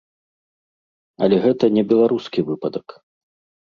Але гэта не беларускі выпадак.